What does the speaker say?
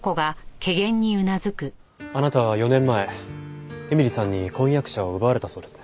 あなたは４年前絵美里さんに婚約者を奪われたそうですね。